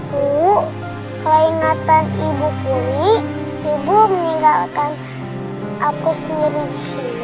bu kalau ingatan ibu pulih ibu meninggalkan aku sendiri disini